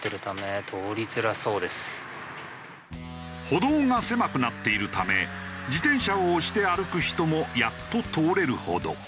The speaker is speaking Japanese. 歩道が狭くなっているため自転車を押して歩く人もやっと通れるほど。